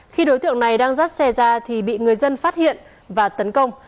khi đối tượng này đang dắt xe ra thì bị người dân phát hiện và tấn công